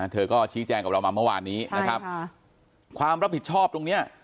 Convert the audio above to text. เธอก็ชี้แจงกับเรามาเมื่อวานนี้นะครับความรับผิดชอบตรงนี้